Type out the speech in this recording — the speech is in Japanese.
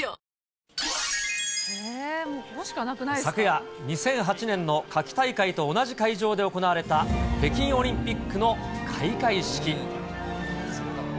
昨夜、２００８年の夏季大会と同じ会場で行われた北京オリンピックの開会式。